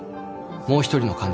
もう一人の患児